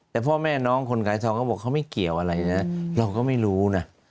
แต่พ่อแม่น้องคนขายทองเขาบอกเขาไม่เกี่ยวอะไรนะเราก็ไม่รู้นะ